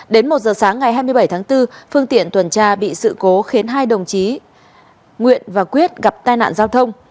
đến một giờ sáng ngày hai mươi bảy tháng bốn phương tiện tuần tra bị sự cố khiến hai đồng chí nguyễn và quyết gặp tai nạn giao thông